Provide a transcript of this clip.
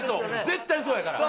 絶対そうやから。